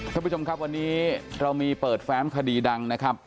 ท่านผู้ชมครับวันนี้เรามีเปิดแฟ้มคดีดังนะครับ